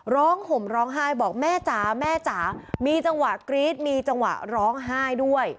ห่มร้องไห้บอกแม่จ๋าแม่จ๋ามีจังหวะกรี๊ดมีจังหวะร้องไห้ด้วย